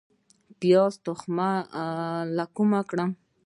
د پیاز تخم کله وکرم؟